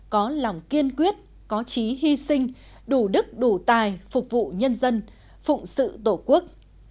có lòng kiên quyết có trí hy sinh đủ đức đủ tài phục vụ nhân dân phụng sự tổ quốc